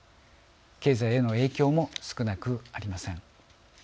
経済への影響も少なくありません。